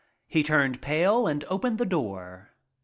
He turned pale and opened the door.